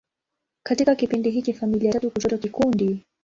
Katika kipindi hiki, familia tatu kushoto kikundi.